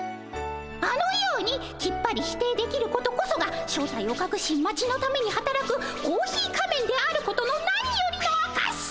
あのようにきっぱり否定できることこそが正体をかくし町のためにはたらくコーヒー仮面であることの何よりのあかし！